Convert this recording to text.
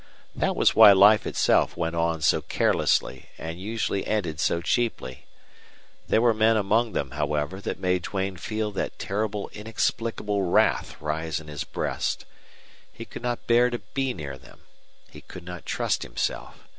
That was why life itself went on so carelessly and usually ended so cheaply. There were men among them, however, that made Duane feel that terrible inexplicable wrath rise in his breast. He could not bear to be near them. He could not trust himself.